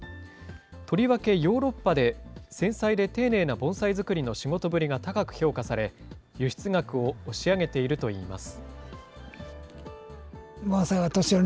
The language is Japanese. とりわけヨーロッパで、繊細で丁寧な盆栽作りの仕事ぶりが高く評価され、輸出額を押し上げているといいます。